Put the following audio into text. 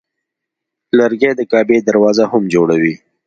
لرګی د کعبې دروازه هم جوړوي.